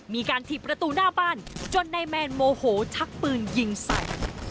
มีการถีบประตูหน้าบ้านจนนายแมนโมโหชักปืนยิงใส่